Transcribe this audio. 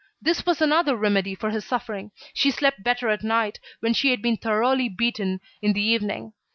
This was another remedy for her suffering. She slept better at night when she had been thoroughly beaten in the evening.